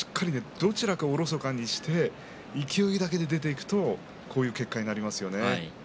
どちらかをおろそかにして勢いだけで出ていくとこういう結果になりますよね。